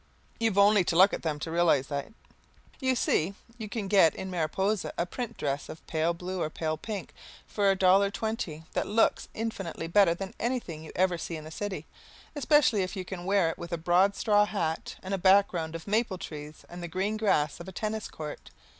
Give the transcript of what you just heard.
You've only to look at them to realize that. You see, you can get in Mariposa a print dress of pale blue or pale pink for a dollar twenty that looks infinitely better than anything you ever see in the city, especially if you can wear with it a broad straw hat and a background of maple trees and the green grass of a tennis court.